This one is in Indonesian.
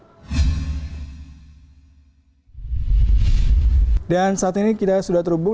jepang jepang jepang